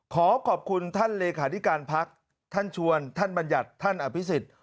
ขอขอบคุณท่านเลขาธิการพักท่านชวนท่านบัญญัติท่านอภิษฎ